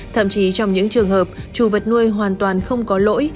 thậm chí trong những trường hợp chủ vật nuôi hoàn toàn không có lỗi